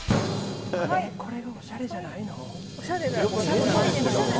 これがおしゃれじゃないの？